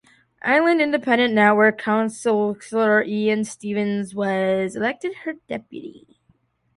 Island Independent Network councillor Ian Stephens was elected her deputy.